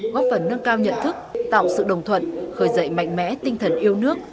góp phần nâng cao nhận thức tạo sự đồng thuận khởi dậy mạnh mẽ tinh thần yêu nước